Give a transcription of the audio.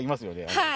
はい。